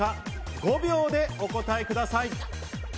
５秒でお答えください。